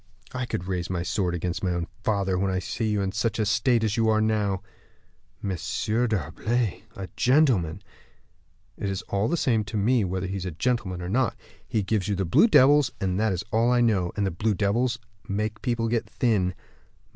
"I could raise my sword against my own father, when I see you in such a state as you are now." "M. d'Herblay, a gentleman!" "It's all the same to me whether he's a gentleman or not. He gives you the blue devils, that is all I know. And the blue devils make people get thin.